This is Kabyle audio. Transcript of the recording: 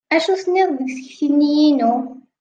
Acu tenniḍ deg tikti-nni-inu?